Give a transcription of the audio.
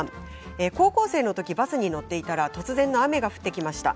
高校生のときバスに乗っていたら突然の雨が降ってきました。